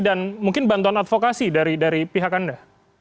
dan mungkin bantuan advokasi dari pihak anda